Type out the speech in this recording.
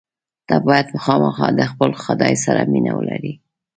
ته باید خامخا له خپل خدای سره مینه ولرې.